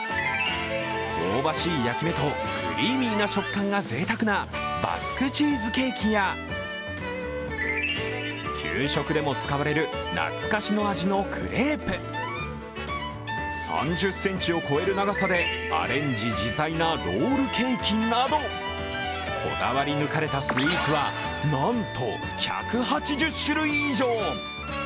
香ばしい焼き目とクリーミーな食感がぜいたくなバスクチーズケーキや給食でも使われる懐かしの味のクレープ、３０ｃｍを超える長さでアレンジ自在なロールケーキなどこだわり抜かれたスイーツはなんと１８０種類以上。